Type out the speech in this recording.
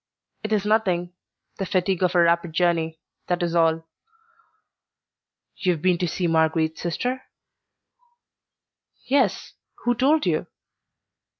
"It is nothing, the fatigue of a rapid journey; that is all." "You have been to see Marguerite's sister?" "Yes; who told you?"